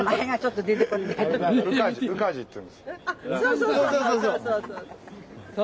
そうそうそうそう！